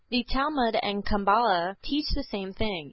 The Talmud and Cabala teach the same thing.